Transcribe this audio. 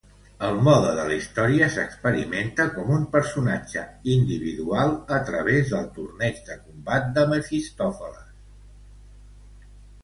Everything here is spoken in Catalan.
El mode de la història s'experimenta com un personatge individual a través del "Torneig de Combat de Mefistòfeles".